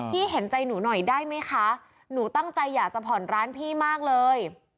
เห็นใจหนูหน่อยได้ไหมคะหนูตั้งใจอยากจะผ่อนร้านพี่มากเลย